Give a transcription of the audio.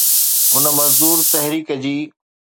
هن مزدور تحريڪ جي